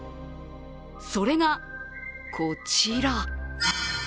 それがこちら。